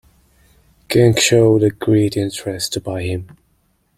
Genk showed a great interest to buy him.